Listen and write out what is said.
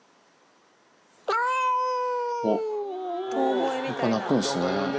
おっ、やっぱ鳴くんですね。